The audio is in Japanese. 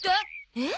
えっ？